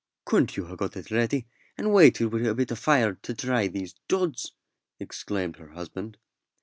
"Couldn't you ha' got it ready and waited wi' a bit o' fire to dry these duds?" exclaimed her husband.